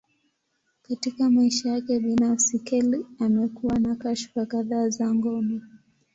Katika maisha yake binafsi, Kelly amekuwa na kashfa kadhaa za ngono.